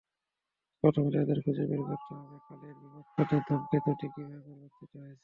প্রথমে তাঁদের খুঁজে বের করতে হবে, কালের বিবর্তনে ধূমকেতুটি কীভাবে পরিবর্তিত হয়েছে।